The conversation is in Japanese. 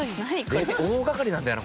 大掛かりなんだよな